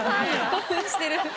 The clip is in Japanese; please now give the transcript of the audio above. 興奮してる。